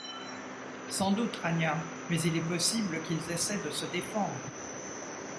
Sans doute, Ranyah, mais il est possible qu’ils essaient de se défendre!...